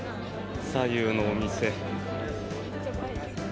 左右のお店。